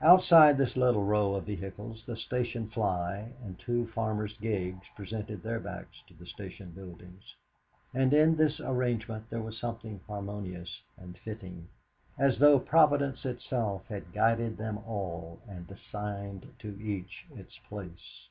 Outside this little row of vehicles the station fly and two farmers' gigs presented their backs to the station buildings. And in this arrangement there was something harmonious and fitting, as though Providence itself had guided them all and assigned to each its place.